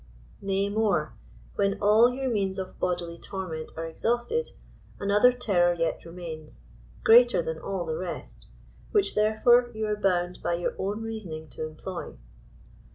Nay more. When all your means of bodily torment are ex hausted, another terror yet remains, greater than all the rest, which therefore, you are bound by your own reasoning to employ.